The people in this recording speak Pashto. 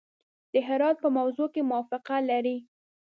د هرات په موضوع کې موافقه لري.